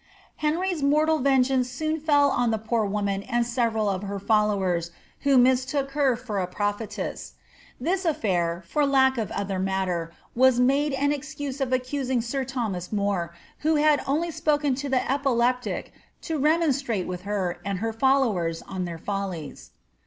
Henry^s mortal vengeance soon fell on the poor woman and several of her followers, who mistook her for a prophetess. This a&ir, for lack of other matter, was made an excuse of accusing sir Thomai More^ who had only spoken to the epileptic to remonstrate with her and her followers on their follies.